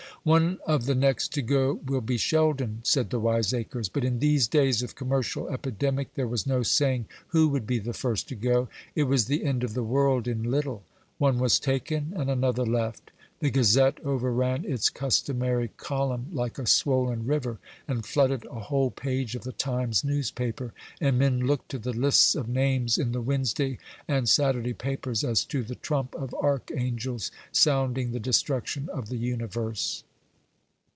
"One of the next to go will be Sheldon," said the wiseacres; but in these days of commercial epidemic there was no saying who would be the first to go. It was the end of the world in little. One was taken, and another left. The Gazette overran its customary column like a swollen river, and flooded a whole page of the Times newspaper; and men looked to the lists of names in the Wednesday and Saturday papers as to the trump of archangels sounding the destruction of the universe.